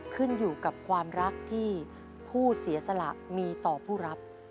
ขึ้นอยู่กับความรักที่ผู้เสียสละมีต่อผู้รับ